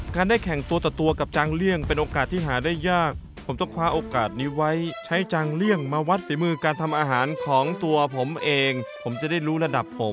ได้แข่งตัวต่อตัวกับจางเลี่ยงเป็นโอกาสที่หาได้ยากผมต้องคว้าโอกาสนี้ไว้ใช้จางเลี่ยงมาวัดฝีมือการทำอาหารของตัวผมเองผมจะได้รู้ระดับผม